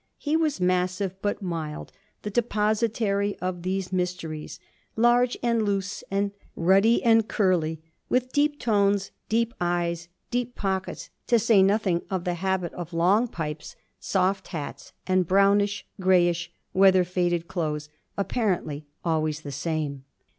He was massive but mild, the depositary of these mysteries large and loose and ruddy and curly, with deep tones, deep eyes, deep pockets, to say nothing of the habit of long pipes, soft hats and brownish greyish weather faded clothes, apparently always the same.